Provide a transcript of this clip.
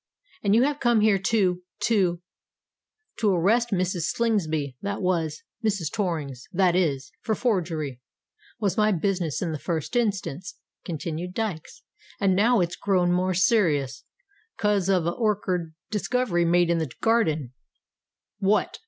"And you have come here to—to——" "To arrest Mrs. Slingsby that was—Mrs. Torrings that is—for forgery, was my business in the first instance," continued Dykes; "and now its grown more serious, 'cos of a orkard discovery made in the garden——" "What?"